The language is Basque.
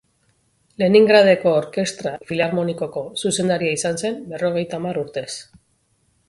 Leningradeko Orkestra Filarmonikoko zuzendaria izan zen berrogeita hamar urtez.